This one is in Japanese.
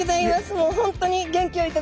もう本当に元気を頂いて。